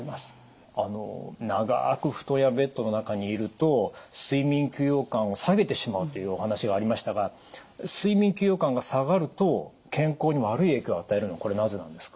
あの長く布団やベッドの中にいると睡眠休養感を下げてしまうというお話がありましたが睡眠休養感が下がると健康に悪い影響を与えるのはこれなぜなんですか？